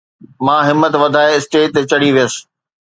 مان همت وڌائي اسٽيج تي چڙھي ويس